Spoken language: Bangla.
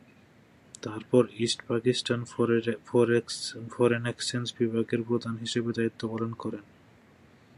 তারপর ইস্ট পাকিস্তান ফরেন এক্সচেঞ্জ বিভাগের প্রধান হিসেবে দায়িত্ব পালন করেন।